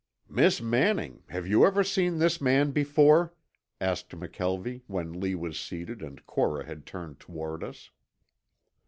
"Miss Manning, have you ever seen this man before?" asked McKelvie when Lee was seated and Cora had turned toward us.